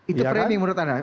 itu framing menurut anda